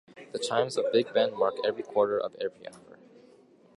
The chimes of Big Ben mark every quarter of every hour.